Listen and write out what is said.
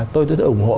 tôi tự ủng hộ